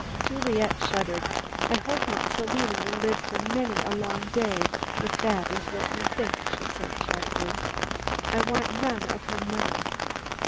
Juliet shuddered. "I hope Aunt Selina will live for many a long day, if that is what you think," she said sharply. "I want none of her money.